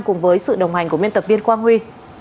cùng với sự đồng hành của biên tập viên quang huy